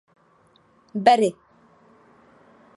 Berry.